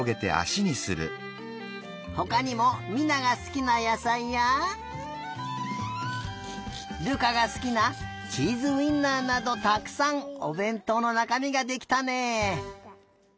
ほかにも美菜がすきなやさいや瑠珂がすきなチーズウインナーなどたくさんおべんとうのなかみができたね。